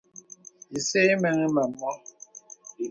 Ìsə̄ ìməŋì mə à mɔ.